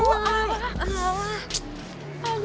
aduh apaan sih